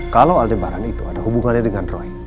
kalau lebaran itu ada hubungannya dengan roy